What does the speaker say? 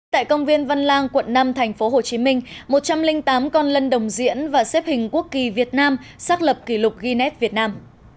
tại công viên văn lang quận năm tp hcm một trăm linh tám con lân đồng diễn và xếp hình quốc kỳ việt nam xác lập kỷ lục guinnes việt nam